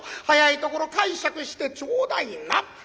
早いところ介錯してちょうだいな」。